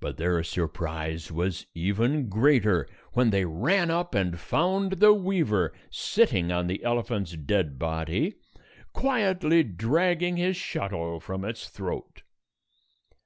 But their surprise was even greater, when they ran up and found the weaver sitting on the elephant's dead body, quietly dragging his shuttle from its throat.